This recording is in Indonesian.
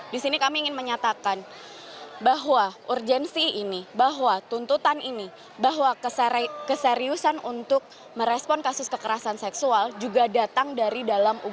di sini kami ingin menyatakan bahwa urgensi ini bahwa tuntutan ini bahwa keseriusan untuk merespon kasus kekerasan seksual juga datang dari dalam ugm